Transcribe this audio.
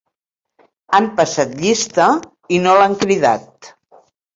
Han passat llista i no l'han cridat.